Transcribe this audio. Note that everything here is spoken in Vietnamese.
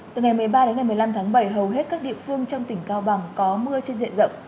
từ ngày một mươi ba đến ngày một mươi năm tháng bảy hầu hết các địa phương trong tỉnh cao bằng có mưa trên diện rộng